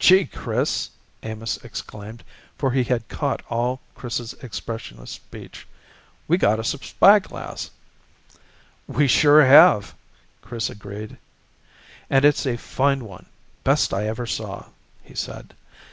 "Gee, Chris!" Amos exclaimed, for he had caught all Chris's expression of speech, "We got us a spyglass!" "We sure have!" Chris agreed, "And it's a fine one best I ever saw," he said.